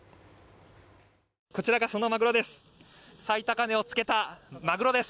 こちらがそのマグロです。